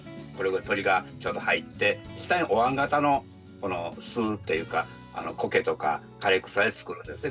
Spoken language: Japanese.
鳥がちょうど入って下におわん型の巣というかコケとか枯れ草で作るんですね。